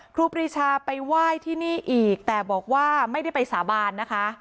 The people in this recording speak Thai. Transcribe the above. ครูปรีชาไปไหว้ที่นี่อีกแต่บอกว่าไม่ได้ไปสาบานนะคะ